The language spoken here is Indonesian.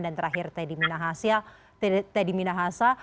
dan terakhir teddy minahasa